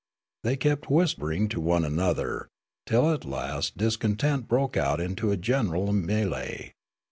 They kept whispering to one another, till at last discontent broke out into a general melee.